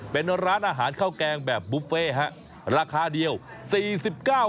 เป็นร้านอาหารข้าวแกงแบบบุฟเฟ่ฮะราคาเดียว๔๙บาท